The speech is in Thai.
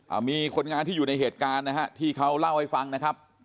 เอามีคนงานที่อยู่ในเหตุการณ์นะฮะที่เขาเล่าให้ฟังนะครับ